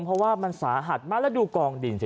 เพราะว่ามันสาหัสมากแล้วดูกองดินสิ